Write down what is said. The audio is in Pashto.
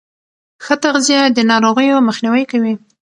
ښه تغذیه د ناروغیو مخنیوی کوي.